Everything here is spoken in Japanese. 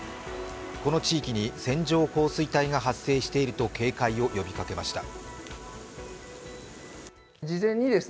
この地域に線状降水帯が発生していると警戒を呼びかけました。